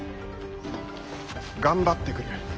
頑張ってくる。